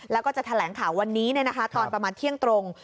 แล้วก็จะแถลงข่าววันนี้ตอนประมาณเที่ยงตรง